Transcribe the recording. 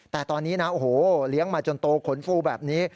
แต่ตอนนี้นะโอ้โหเลี้ยงมาจนโตขนฟูแบบนี้